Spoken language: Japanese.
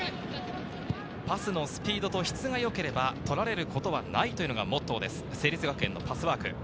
パスのスピードと質がよければ取られることはないというのがモットーです、成立学園のパスワーク。